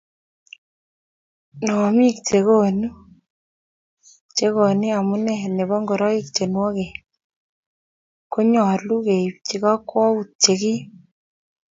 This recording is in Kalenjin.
nomiik chekoni omunee nebo ngoroik che nuok ko nyoluu keipchi kakwoutik che kiim